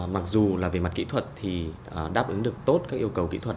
mặc dù là về mặt kỹ thuật thì đáp ứng được tốt các yêu cầu kỹ thuật